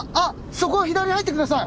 そこ左入ってください！